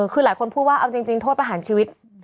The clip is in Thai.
คือหลายคนพูดว่าเอาจริงโทษประหารชีวิต